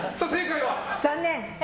残念！